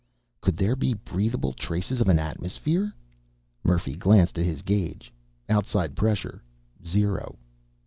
Could there be breathable traces of an atmosphere? Murphy glanced at his gauge. Outside pressure: zero.